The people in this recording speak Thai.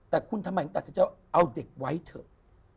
แต่คุณทำไมถึงตัดสินใจว่าเอาเด็กไว้เถอะ